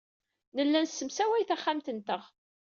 Nella nessemsaway taxxamt-nteɣ.